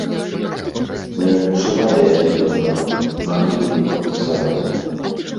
Мы адчувалі адзін аднаго і маглі рухацца разам.